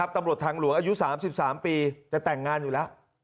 ตำรวจทางหลวงอายุ๓๓ปีจะแต่งงานอยู่แล้ว